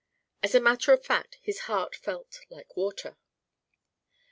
As a matter of fact, his heart felt like water.